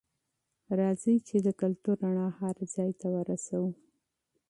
راځئ چې د کلتور رڼا هر ځای ته ورسوو.